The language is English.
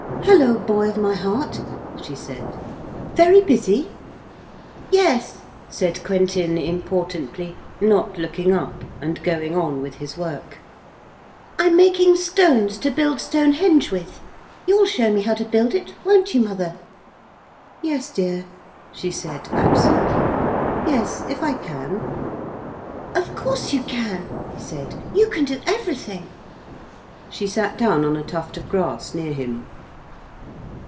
'Hullo, boy of my heart,' she said, 'very busy?' 'Yes,' said Quentin importantly, not looking up, and going on with his work. 'I'm making stones to build Stonehenge with. You'll show me how to build it, won't you, mother.' 'Yes, dear,' she said absently. 'Yes, if I can.' 'Of course you can,' he said, 'you can do everything.' She sat down on a tuft of grass near him.